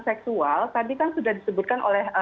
seksual tadi kan sudah disebutkan oleh